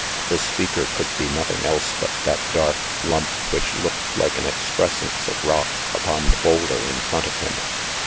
The speaker could be nothing else but that dark lump which looked like an excrescence of rock upon the boulder in front of him.